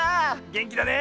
げんきだね！